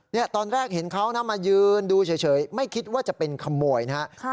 ตอนแรกเห็นเขานะมายืนดูเฉยไม่คิดว่าจะเป็นขโมยนะฮะ